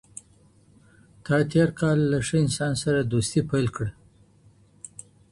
تا تېر کال له ښه انسان سره دوستي پیل کړه.